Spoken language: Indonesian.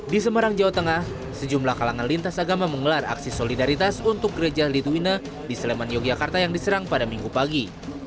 di semarang jawa tengah sejumlah kalangan lintas agama menggelar aksi solidaritas untuk gereja litwina di sleman yogyakarta yang diserang pada minggu pagi